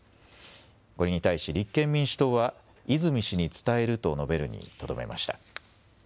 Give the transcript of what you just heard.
これに対し立憲民主党は泉氏に伝えると述べるにとどめました。